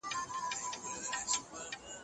په ویالو کې کثافات مه اچوئ.